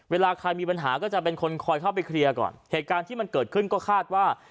เวลาใครมีปัญหาก็จะเป็นคนคอยเข้าไปเคลียร์ก่อนเหตุการณ์ที่มันเกิดขึ้นก็คาดว่า